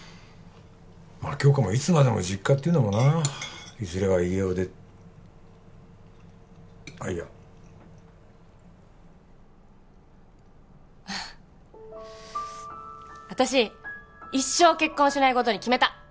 まあ杏花もいつまでも実家っていうのもないずれは家を出あっいや私一生結婚しないことに決めた！